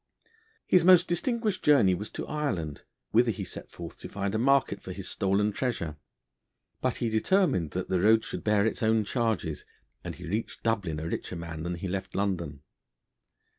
His most distinguished journey was to Ireland, whither he set forth to find a market for his stolen treasure. But he determined that the road should bear its own charges, and he reached Dublin a richer man than he left London.